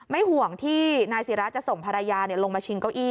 ห่วงที่นายศิราจะส่งภรรยาลงมาชิงเก้าอี้